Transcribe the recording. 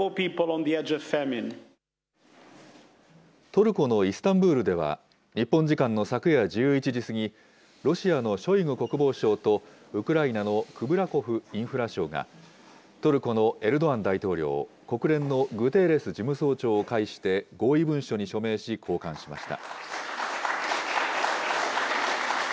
トルコのイスタンブールでは、日本時間の昨夜１１時過ぎ、ロシアのショイグ国防相とウクライナのクブラコフインフラ相が、トルコのエルドアン大統領、国連のグテーレス事務総長を介して合意文書に署名し、交換しました。